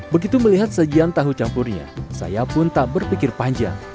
begitu melihat sajian tahu campurnya saya pun tak berpikir panjang